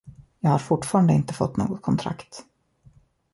Jag har fortfarande inte fått något kontrakt.